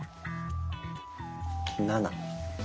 ７！